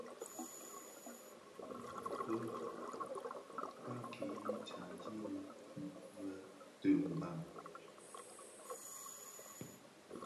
Bi kpagi dyandi innë boumbot dhi Mbam.